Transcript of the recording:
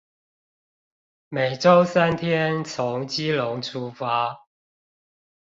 每週三天從基隆出發